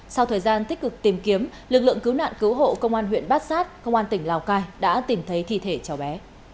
sau thời gian tích cực tìm kiếm lực lượng cứu nạn cứu hộ công an huyện bát sát công an tỉnh lào cai đã tìm thấy thi thể cháu bé